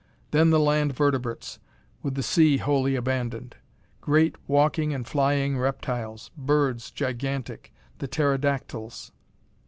Then the land vertebrates, with the sea wholly abandoned. Great walking and flying reptiles. Birds, gigantic the pterodactyls.